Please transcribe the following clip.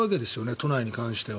都内に関しては。